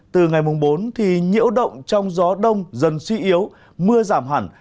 từ ngày bốn một mươi hai nhiễu động trong gió đông dần suy yếu mưa giảm hẳn